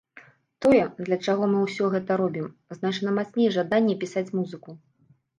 Тое, для чаго мы ўсё гэта робім, значна мацней жадання пісаць музыку.